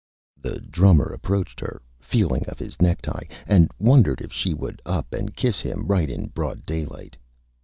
The Drummer approached her, feeling of his Necktie, and wondered if she would up and Kiss him, right in broad Daylight.